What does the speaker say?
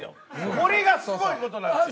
これがすごい事なんですよ。